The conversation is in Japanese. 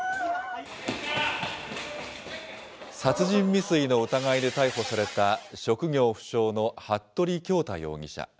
殺人未遂の疑いで逮捕された職業不詳の服部恭太容疑者。